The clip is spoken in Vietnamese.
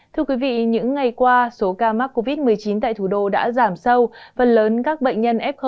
thưa quý vị những ngày qua số ca mắc covid một mươi chín tại thủ đô đã giảm sâu phần lớn các bệnh nhân f một